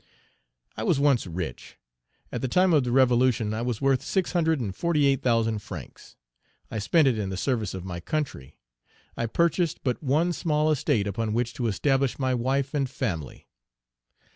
I was once rich. At the time of the revolution, I was worth six hundred and forty eight thousand francs. I spent it in the service of my country. I purchased but one small estate upon which to establish my wife and family.